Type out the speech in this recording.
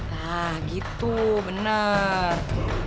nah gitu bener